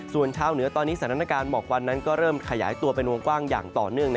ส่วนชาวเหนือตอนนี้สถานการณ์หมอกวันนั้นก็เริ่มขยายตัวเป็นวงกว้างอย่างต่อเนื่อง